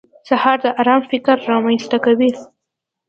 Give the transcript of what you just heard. سهار د ارام فکر رامنځته کوي.